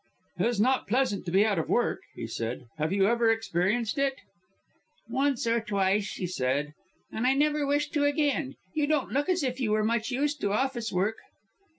"It's not pleasant to be out of work," he said. "Have you ever experienced it?" "Once or twice," she said. "And I never wish to again. You don't look as if you were much used to office work."